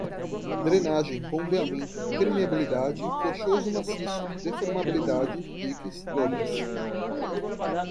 drenagem, bombeamento, permeabilidade, rochoso maciço, deformabilidade, diques, dobras